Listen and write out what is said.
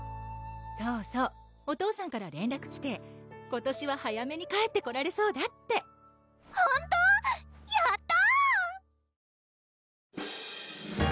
そうそうお父さんから連絡来て今年は早めに帰ってこられそうだって本当⁉やった！